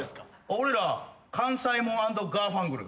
俺ら関西モン＆ガーファンクル。